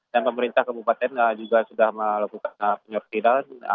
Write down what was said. dan pemerintah kabupaten juga sudah melakukan penyertiran